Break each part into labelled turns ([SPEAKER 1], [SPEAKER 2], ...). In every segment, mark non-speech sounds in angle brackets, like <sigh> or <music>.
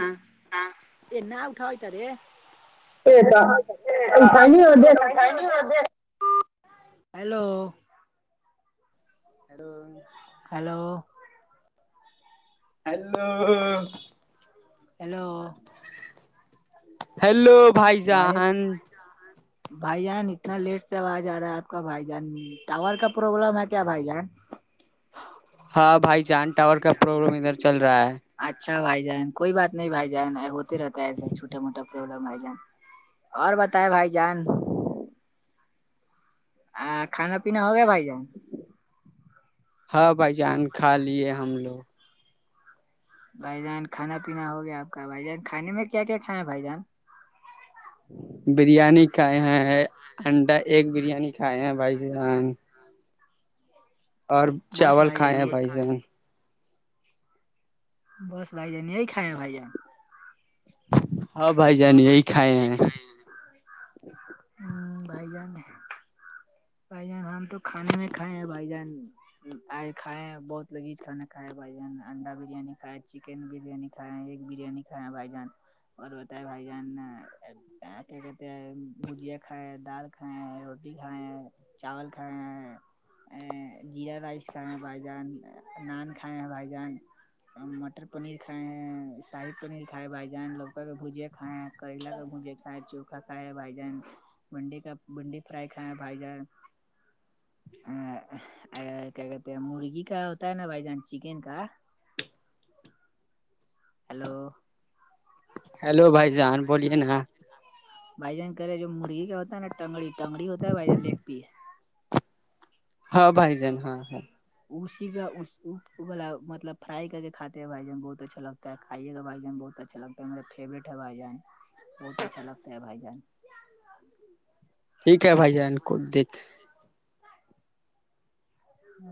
[SPEAKER 1] ہاں
[SPEAKER 2] نہا اٹھا ہوئیتار
[SPEAKER 1] یہ کاا اٹھا ہی نہیں ہو
[SPEAKER 2] ہیلو
[SPEAKER 1] اڈو
[SPEAKER 2] ہیلو
[SPEAKER 1] ہیلو
[SPEAKER 2] ہیلو
[SPEAKER 1] ہیلو بھائی
[SPEAKER 2] والے
[SPEAKER 1] جان
[SPEAKER 2] <unintelligible> بھائی جان اتنا لیٹ سے آواز آ رہا ہے آپ کا بھائی جان ٹاور کا پروبلم ہے کیا بھائی جان
[SPEAKER 1] ہاں بھائی چاند ٹاور کا پروابلم ادھر چل رہا ہے
[SPEAKER 2] اچھا بھائی جان کوئی بات نہیں بھائی جن ہوتے رہتا ہے ایسا چھوٹا موٹا ف بھائی جان اور بتائے بھائی جان آ کھانا پینا ہو گیا بھائی جان
[SPEAKER 1] ہاں بھائی جان کھا لیے ہم لوگ
[SPEAKER 2] بھائی جان کھانا پینا ہو گیا آپ کا بھائی جان کھانے میں کیا کھا ہے بھائی جان
[SPEAKER 1] بریانی کھائے ہیں انڈا ایک بریانی کھائے ہیں بھائی جان اور
[SPEAKER 2] بس
[SPEAKER 1] چاول کھائے
[SPEAKER 2] جان
[SPEAKER 1] ہیں بھائی
[SPEAKER 2] یہ
[SPEAKER 1] جن
[SPEAKER 2] بس بائی جان نہیں کائے بائی جان
[SPEAKER 1] ہاں بھائی جان یہی کھائے ہیں
[SPEAKER 2] ہوں بھائی جان بھائی جان ہم تو کھانے میں کھائے ہیں بھائی جان آ کھائے بہت لگی کھانا کھائے ہے بھائی جان انڈا بریانی کھائے چکن بریانی کھ ہیں ایک بریانی کھایا ہیں بھائی جان اور بتائے بھائی جان آے کٹے بھجیا کائے ڈال کائےیں روٹی کائے چاول کھانیں ہیں جیرا رائس کائے بائی جان نان کھائےیں بائی جان مٹر پنیر کھائے ہیں شاہیب پنیر کھائے بھائی جان لوگ چک بوجے کائے کریلا کےھوجے کائے چوا کائے بھائی جن بنڈی کا بنڈی فرائی کھیں بھائی جائے ا کیا کہتے ہیں مرغی کا ہوتا ہے نا بھائی جان چکن کا ہیلو
[SPEAKER 1] ہیلو بھائی جان بولیے نا
[SPEAKER 2] بھائی جان کرے جو مرغی کا ہوتا ہے نا ٹنگڑی ٹگڑی ہوتا ہے بھائی جان ایک پیس
[SPEAKER 1] ہاں بھائی جان ہاں ہاں
[SPEAKER 2] اسی کا مطلب فرائی کر کے کاتے بھائی جان بہت اچھا لگتا ہے کھائیے کا بھائی جان بہت اچھا اچھا لگتا ہےے فیوریٹ ہے بائی جان بہت اچھا لگتا ہے بھائی جان
[SPEAKER 1] ٹھیک ہے بھائی جین کو دیکھ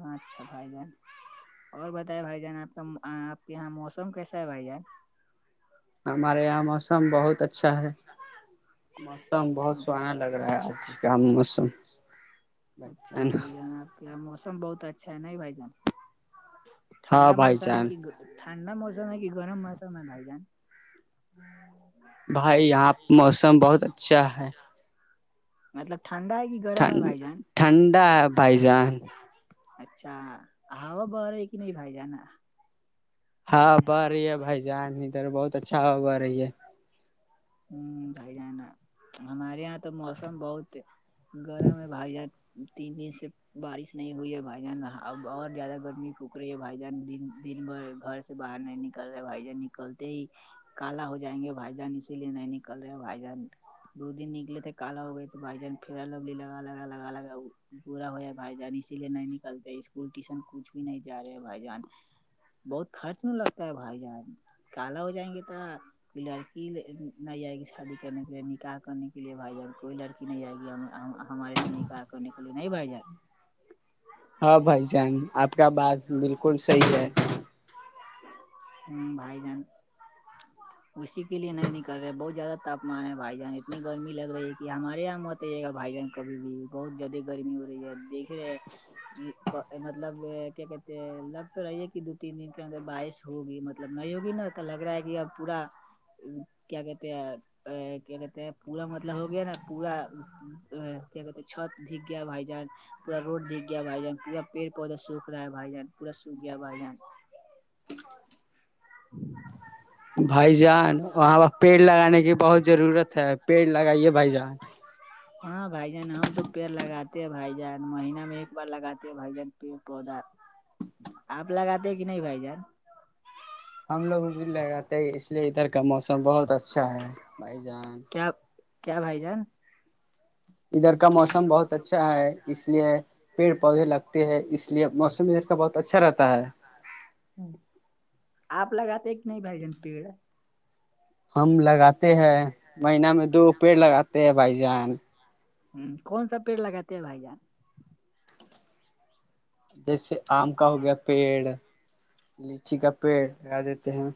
[SPEAKER 2] ہاں اچھا بھائی بہن اور بتائائے بھائی جان آپ کا آپ کے یہاں موسم کیسا ہے بھائی جان
[SPEAKER 1] ہمارے یہاں موسم بہت اچھا ہے موسم بہت سوہناا لگ رہا ہے آج کا موسم
[SPEAKER 2] اچھا بھائی جانب موسم بہت اچھا ہے نہیں بھائی جان
[SPEAKER 1] ہاں
[SPEAKER 2] ٹھنڈا
[SPEAKER 1] بھائی
[SPEAKER 2] موسم ہے
[SPEAKER 1] جان
[SPEAKER 2] کہ ٹھنڈا موسم ہے کہ گرم موم ہے بائی جان
[SPEAKER 1] بھائی یہاں موسم بہت اچھا ہے
[SPEAKER 2] مطلب ٹھڈا ہے گی
[SPEAKER 1] ھن ٹھنڈا بھائی جان
[SPEAKER 2] اچھا ہوا رہا ہے کہ نہیں بھائی جانا
[SPEAKER 1] ہاں بہ رہی ہے بھائی جان ادھر بہت اچھا ہوا بہ رہی ہے
[SPEAKER 2] ہ بھائی جانا ہمارے یہاں تو موسم بہت گرم ہے بھائی جان تین دن سے بارش نہیں ہوئی ہے بھائی جان ا اور زیادہ گرمی پھک رہی ہے بھائی جان دن دن بھر گھر سے باہر نہیں نکل رہے بھائی جان نکلتے ہی کالا ہو جائیں گے بھائی جان اس اسی لیے نہیں نکل رہے ہو بھائی جان دو دن نکلے تھے کال ہو گئے تو بھائی جان پرا لگ لگاگا الگاگا پورا ہو ہے بھائی جان اسی لیے نہیں نکلتے اسکول ٹیوشن کچھ بھی نہیں جا رہے ہے بھائی جان بہت خرچ میں لگتا ہے بھائی جان کالا ہو جائیں گے تھا لڑکی نہیں جائے گی شادی کرنے کے لیے نکاہح کرنے کے لیے بھائی جان کوئی لڑکی نہیں جائے گی ہم ہمارے سے نکاح کرنے کے لیے نہیں بھائی جائے
[SPEAKER 1] ہاں بھائی جان آپ کا بات بالکل صحیح ہے
[SPEAKER 2] بھائی جن اسی کے لیے نہیں نہیں کر رہے ہیں بہت زیادہ تپمان ہے بھائی جان اتنی گرمی لگ رہی ہے کہ ہمارے یہاں مت آ ج گا بھائی جان کبھی بھی بہت زیادہ گرمی ہو رہی ہے دیکھ رہے ہیں مطلب کیا کہتے لگ تو رہیے کہ دو تین دن کے انر بارش ہوگی مطلب نہیں ہوگی نا تو لگ رہا ہے کہ اب پورا کیا کہتے ہیں ا کیا کہتے ہیں پورا مطلب ہو گیا نا پورا کیا کہتے چھت دھگ گیا بھائی جان پورا روڈ دکھ گیا بھائی جان پورا پیڑ پودا سوکھ رہا ہے بھائی جان پور سوکھ گیا بھائی جان <inaudible>
[SPEAKER 1] بھائی جان وہاں پرہ پیڑ لگانے کی بہت ضرورت ہے پیڑ لگائیے بھائی جان
[SPEAKER 2] ہاں بھائی جان ہم تو پیڑ لگاتے ہیں بھائی جان مہینہ میں ایک بار لگاتے بھائی جان پیڑ پودا آپ لگاتے کہ نہیں بھائی جان
[SPEAKER 1] ہم لوگ بھی ل جاتے اس لیے ادھر کا موسم بہت اچھا ہے بھائی جان
[SPEAKER 2] کیا کیا بھائی جان
[SPEAKER 1] ادھر کا موسم بہت اچھا ہے اس لیے پیڑ پودے لگتے ہے اس لیے موسم بہت اچھا رہتا ہے
[SPEAKER 2] ہاں اپ ل گات ایک نہیں بائ جان پڑا
[SPEAKER 1] ہم لگاتے ہیں مہینہ میں دو پیڑ لگاتے ہیں بھائی جان
[SPEAKER 2] ہ کون سا پیڑ لگاتے ہیں بھائی جان
[SPEAKER 1] جیسے آم کا ہو گیا پیڑ لیچی کا پیڑ لگا دیتے ہیں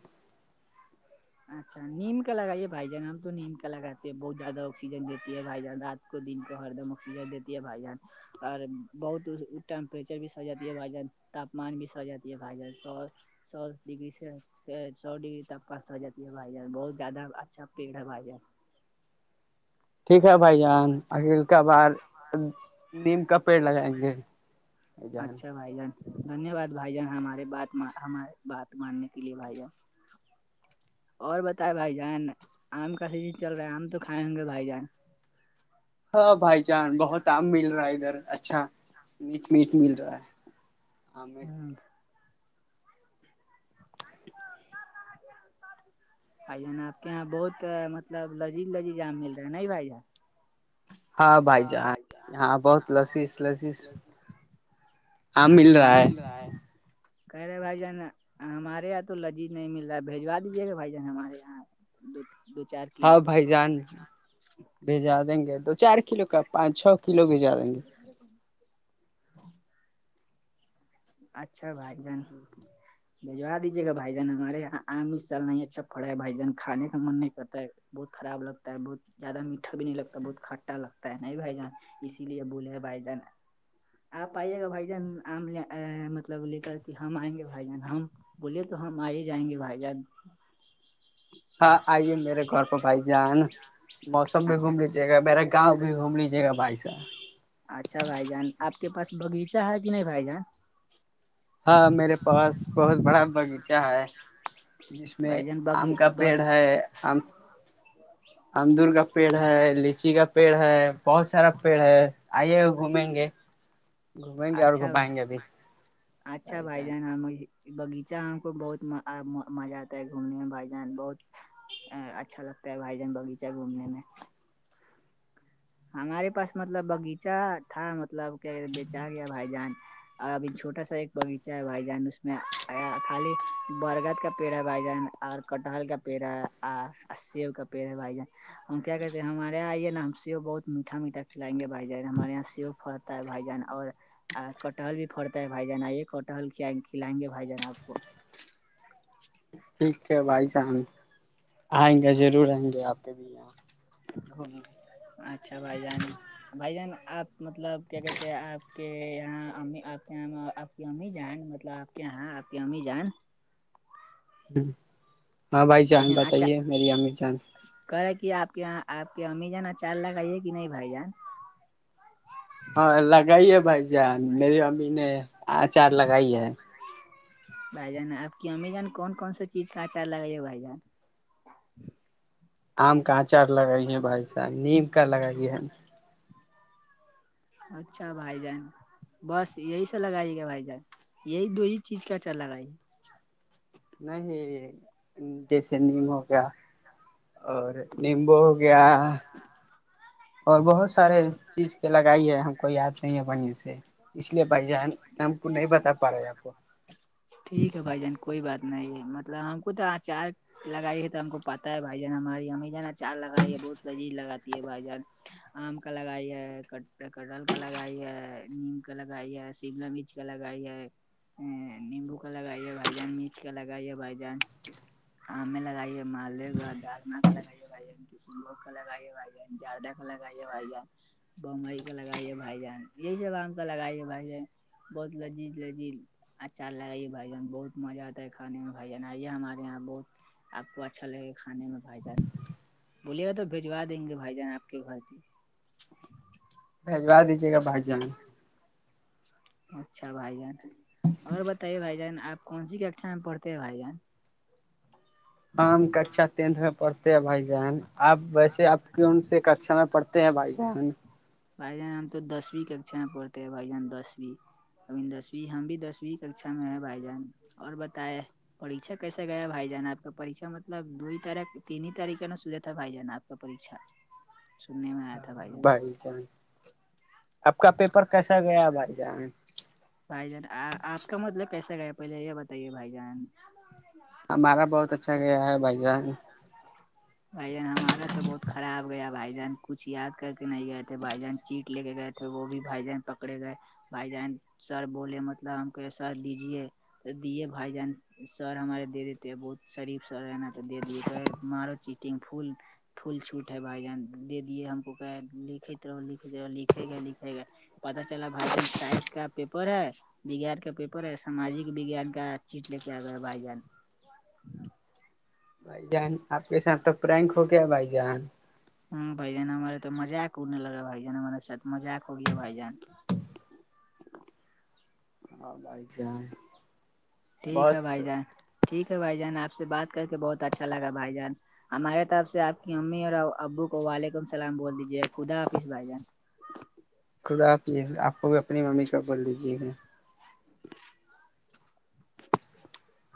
[SPEAKER 2] اچھا نیم کا لگائیے بھائی جان ہم تو نیم کا لگاتے ہیں بہت زیادہ آکسیجن دیتی ہے بھائی جان رات کو دن کو ہر دم آکسیجن دیتی ہے بھائی جان اور بہت ٹیمپریچر بھی سڑ جات ہے بھائی جان تاپمان بھی س جاتی ہےھائی س سو ڈگری سے سو ڈگری تاپ کا س جاتی یہ بھائی جان بہت زیادہ اچھا پڑ ہے بھائی جار
[SPEAKER 1] ٹھیک ہے بھائی جان اخل کبھار نیم کا پیڑ لگائیں گے بھائی جان
[SPEAKER 2] اچھا بھائی جان دھنیہ واد بھائی جان ہمارے بات ہمارے بات ماننے کے لیے بھائی جان اور بتائائے بھائی جان آم کا سیجن چل رہا ہے آم تو کھائے ہوں گے بھائی جان
[SPEAKER 1] ہاں بھائی جان بہت آم مل رہا ہے ادھر اچھا میٹ میٹ مل رہا ہے آ میں
[SPEAKER 2] ہ آھا آپ کے یہاں بہت مطلب لذیذ لذیذ آام مل رہے ہے ن بھائیاں
[SPEAKER 1] ہاں بھائی جہاں یہاں بہت لسیس لسیس
[SPEAKER 2] آم کہہ رہے بھائی جان ہمارے یہاں تو لجیذ نہیں مل رہا ہے بجوا دیجیے گا بھائی جان ہمارے یہاں دو دو چار کلو
[SPEAKER 1] ہاں بھائی جان بھیجا دیں گے دو چار کلو کا پانچ چھ کلو بھیجا دیں گے
[SPEAKER 2] س
[SPEAKER 1] ہ
[SPEAKER 2] اچھا بھائی جان بھجوا دیجیے گا بھائی جن ہمارے یہاںام اس سال نہیں اچھا پڑا ہے بھائی جان کھانے کا من نہیں کرتا ہے بہت خراب لگتا ہے بہت زیادہ میٹھا بھی نہیں لگتا بہت کھٹا لگتا ہے نہیں بھائی جان اسی لیے بولے گ بھائی جان آپ آئیے گا بھائی جان آم لے ا مطلب لے کر کے ہم آئیں گے بھائی جان ہم بولے تو ہم آ ہی جائیں گے بھائی جان ہ
[SPEAKER 1] ہاں آئیے میرے گھر پہ بھائی جان نا موسم بھی
[SPEAKER 2] اچھا
[SPEAKER 1] گھوم لیجیے گا میرا گاؤں بھی گھوم لیجیے گا بھائی سا
[SPEAKER 2] اچھا بھائی جان آپ کے پاس باغیچہ ہے کہ نہیں بھائی جان
[SPEAKER 1] ہاں میرے پاس بہت بڑا باغیچہ ہے جس میں
[SPEAKER 2] بھائی جان بغی
[SPEAKER 1] آم کا پیڑ ہے آم امدور کا پیڑ ہے ل لیچی کا پیڑ ہے بہت سارا پیڑ ہے آئیے ہو گھومیں گے گھومیں گے اور
[SPEAKER 2] اچھا بھائی
[SPEAKER 1] گھمائیں گے ابھی
[SPEAKER 2] اچھا بھائی جان بغیچہ کو بہت مزہ آتا ہے گھومنے میں بھائی جان بہت ا اچھا لگتا ہے بھائی جان باغیچہ ہے گھومنے میں ہمارے پاس مطلب باغیچہ تھا مطلب کیا بیےچار یا بھائی جان اور ابھی چھٹا سا ایک بغیچہ بھائی جان اس میں خالی برگد کا پیڑ بھائی جان اور کٹہل کا پیڑ ہے سیب کا پیڑ ہے بھائی جان ہم کیا کہتے ہیں ہمارے یہاں آئیے نا س بہت میٹھا میھا کھلیں گے بائی جان ہمارے یہاں سےو پڑتا ہے بائی جان اور آ کٹہل بھی پڑتا ہے بھائی جان آئیے کٹحل کھلائیں گے بھائی جان آ کو
[SPEAKER 1] ٹھیک ہے بھائی جان آئیں گے ضرور آئیں گے آپ بھییا گھوم
[SPEAKER 2] اچھا بھائی جان بھائی جان آپ مطلب کیا کہتے ہیں آپ کے یہاں امی آپ یہ آپ کی امی جائیں مطلب آپ کے یہاں آپ کی امی جائیں
[SPEAKER 1] ہ ہاں بھائی جان بتائیے میری امر جان
[SPEAKER 2] کرے کہ آپ کے یہاں آپ کے امی جانا چال لگ آائیے کہ نہیں بھائی جان
[SPEAKER 1] ہاں لگائی ہے بھائی جان میری امی نے اچار لگائی ہے
[SPEAKER 2] بھائی جان آپ کی امی جان کون کون سا چیز کا اچار لگےے بھائی جان
[SPEAKER 1] آم کا اچار لگائیے بھائی صاح نیم کا لگائیے
[SPEAKER 2] اچھا بھائی جان بس یہی سا لگائیے گا بھائی جان یہی دو ہی چیز کاچا لگائیے
[SPEAKER 1] نہیں جیسے نیمم ہو گیا اور نیمبو گیا اور بہت سارے چیز کے لگائی ہے ہم کو یاد نہیں ہے بڑیا سے اس لیے بھائی جان ہم کو نہیں بتا پا رہے ہے آپ کو
[SPEAKER 2] ٹھیک ہے بھائی جان کوئی بات نہیں ہے مطلب ہم کو تو آچار لگائی ہے تو ہم کو پتاہ ہے بھائی جان ہماری ہمیں نا چار لگائی ہے بہت لذیذ لگاتی ہے بھائی جان آم کا لگائی ہے کٹل کا لگائی ہے نیم کا لگائی ہے شملا مرچ مچ کا لگائی ہے ا نیمبو کا لگائی ہے بھائی جان مرچ کا لگائی ہے بھائی جان آم لگائیے مالے دال مگا لگائیے گائیے کشن لوگ خلا گھ ہے بھ جان جارڈا خلا گئی ہے بھ جان بمبئی کا لگائیے بھائی جان یہی سب آم کا لگائیے بھائی جان بہت لذیذ لذیذ اچھا لگا یہ بھن بہت مزہ آتا ہے کھے میں بھ آ یہ ہمارے یہاں بہت آپ کو اچھا لگے گا کھانے میں بھائی جان بوولے گ تو بجوا دیں گے بھائی جان آپ بھتی
[SPEAKER 1] بھیھجوا دیجیے گا بھجی میں
[SPEAKER 2] <inaudible> اچھا بھائی جان اور بتائیے بھائی جان آپ کون سی ککھا میں پڑھتے ہیں بھائی جان
[SPEAKER 1] ہم ہم ککھا ٹینتھ میں پڑھتے ہیں بھائی جان اب ویسے اب کیوں سے ککا میں پڑھتے ت بھائی جان
[SPEAKER 2] بھائی جان ہم تو دسویں ککشا میں پڑھتے ہیں بھائی جان دسویں اب دسویں ہم بھی دسویں ککشا میں ہے بھائی جان اور بتائے پریھا کیسے گیا بھائی جانا آ پ پریھا مطلب دو ہی تاریخ ت ہی تاریخ ن سو تھا بھائی جانا آپ کا پریھا
[SPEAKER 1] ہاں بھائی جان آپ کا پیپر کیسا گیا بھائی جان
[SPEAKER 2] بھائی جان آپ کا مطلب کیسا گیا پہلے یہ بتائیے بھائی جان
[SPEAKER 1] ہمارا بہت اچھا گیا ہے بھائی جان
[SPEAKER 2] بھائین ہمارا تو بہت خراب گیا بھائی جان کچھ یاد کر کے نہیں گئے تھے بھائی جان چیٹ لے کے گئے تھے وہ بھی بھائی جان پکڑے گئے بھائی جان سر بولے مطلب ہم کہ سر دیجیے تو دیے بھائی جہان سر ہمارے دے دی تھ بہت شریف سر ہے نا تو دے دی کہ مارو چیٹگ پھول فھول چھوٹ ہے بھائی جن دے دیے ہم کوک لکھ رہ لکھ رہ لکھے گئے لکھے گئے پتا چلا بھائی جان سائس کا پیپر ہے وگان کا پیپر ہے ساماجک وگان کا چیٹ لے کے آ گیا بھائی جان
[SPEAKER 1] بھائی جان آپ کے ساتھ تو پرینک ہو گیا بھائی جان
[SPEAKER 2] ہ بھائی جان ہمارے تو مذااک انے لگا بھائی جان ہمارے ساتھ مذاق ہو گیا بھائی جان
[SPEAKER 1] ہاں بھائی
[SPEAKER 2] ٹھیک ہے
[SPEAKER 1] بہت
[SPEAKER 2] بھائی جان ٹھیک ہے بھائی جان آپ سے بات کر کے بہت اچھا لگا بھائی جان ہمارے طرف سے آپ کی امی اور ابو کو وعلیکم السلام بول دیجیے خدا حافظ بھائی جان
[SPEAKER 1] خدا آپ کو بھی اپنی ممی پ بول لیجیے گا
[SPEAKER 2] <inaudible> <inaudible>